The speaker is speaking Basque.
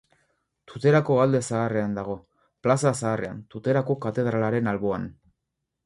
Tuterako Alde Zaharrean dago, Plaza Zaharrean, Tuterako katedralaren alboan.